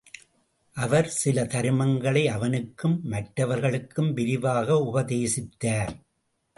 அவர் சில தருமங்களை அவனுக்கும் மற்றவர்களுக்கும் விரிவாக உபதேசித்தார்.